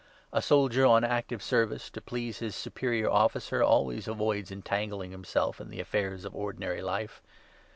A soldier on active service, to 4 please his superior officer, always avoids entangling himself in the affairs of ordinary life.